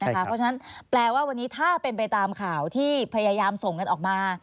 เพราะฉะนั้นแปลว่าวันนี้ถ้าเป็นไปตามข่าวที่พยายามส่งกันออกมา